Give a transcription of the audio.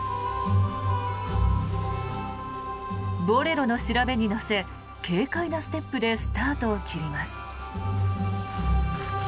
「ボレロ」の調べに乗せ軽快なステップでスタートを切ります。